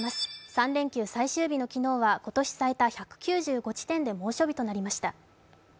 ３連休最終日の昨日は今年最多、１９５地点で猛暑日となりました。